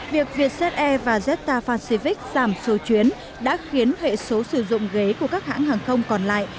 việc vietjet air và jetstar pacivic giảm số chuyến đã khiến hệ số sử dụng ghế của các hãng hàng không còn lại